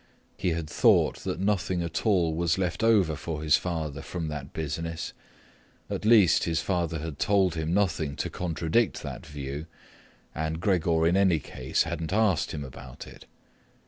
He had thought that nothing at all was left over for his father from that business; at least his father had told him nothing to contradict that view, and Gregor in any case hadn't asked him about it.